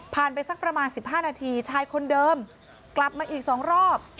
ไปสักประมาณ๑๕นาทีชายคนเดิมกลับมาอีก๒รอบ